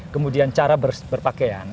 kemudian cara berpakaian